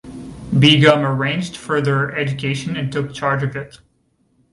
Begum arranged for their education and took charge of it.